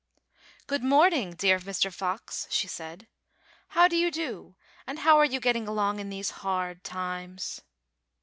"Good morning, dear Mr. Fox," she said. "How do you do, and how are you getting along in these hard times